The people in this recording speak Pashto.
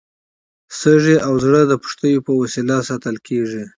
سږي او زړه د پښتیو په وسیله ساتل کېږي.